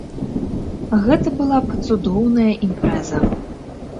Гэта была б цудоўная імпрэза!